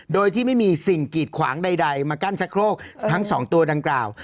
โดยที่ไม่มีสิ่งกีดขวางใดมากั้นชะโครกทั้งสองตัวดังกล่าว